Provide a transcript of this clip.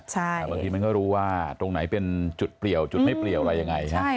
แต่บางทีมันก็รู้ว่าตรงไหนเป็นจุดเปลี่ยวจุดไม่เปลี่ยวอะไรยังไง